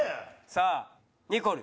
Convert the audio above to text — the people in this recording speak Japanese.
さあニコル。